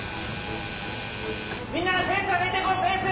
みんなペース上げてこペース！